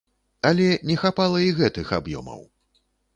Але не хапала і гэтых аб'ёмаў.